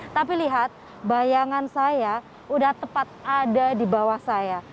tapi lihat bayangan saya sudah tepat ada di bawah saya